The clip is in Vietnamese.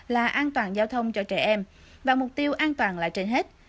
là an toàn giao thông cho trẻ em và mục tiêu an toàn là trên hết